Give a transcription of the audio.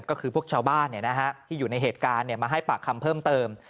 ก็คือพวกชาวบ้านที่อยู่ในเหตุการณ์มาให้ปากคำเพิ่มเติม